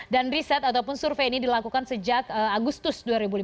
dan riset ataupun survei ini dilakukan sejak agustus dua ribu lima belas